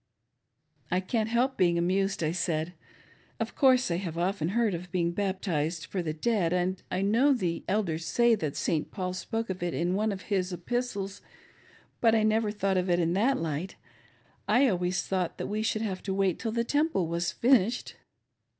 "I can't help being amused," I said. "Of course I have often heard of being baptized for the dfead, and I know the Elders say that St. Paul spoke of it in one of his epistles, but I never thought of it in that light; I always thought we should have to wait till the Temple was finished."